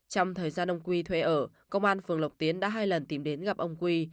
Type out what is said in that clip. trong thời gian ông quy thuê ở công an phường lộc tiến đã hai lần tìm đến gặp ông quy